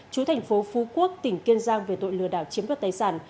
chú thành phố phú quốc tỉnh kiên giang về tội lừa đảo chiếm đoạt tài sản